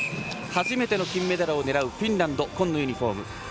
初めての金メダルを狙うフィンランド紺のユニフォーム。